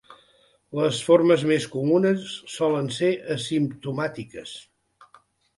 Les formes més comunes solen ser asimptomàtiques.